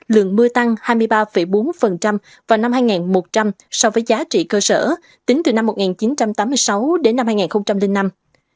lượng mưa tăng hai mươi ba bốn vào năm hai nghìn một trăm linh so với giá trị cơ sở tính từ năm một nghìn chín trăm tám mươi sáu đến năm hai nghìn năm